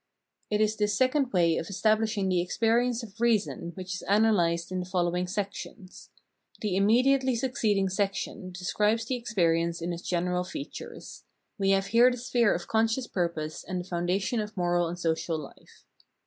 It is this second way of establishing the experience of reason which is analysed in the following sections. The immediately succeeding section describes the experience in its general features. We have here the sphere of conscious purpose and the foundation of moral and social life.